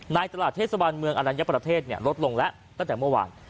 ในตลาดเทศบาลเมืองอลัญญประเทศลดลงแล้วตั้งแต่เมื่อวาน